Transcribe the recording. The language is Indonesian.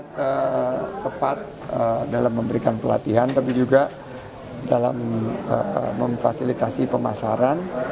kita tepat dalam memberikan pelatihan tapi juga dalam memfasilitasi pemasaran